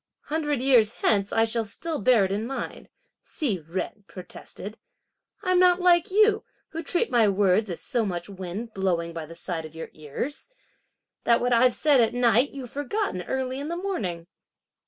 "Hundred years hence I shall still bear it in mind," Hsi Jen protested; "I'm not like you, who treat my words as so much wind blowing by the side of your ears, that what I've said at night, you've forgotten early in the morning."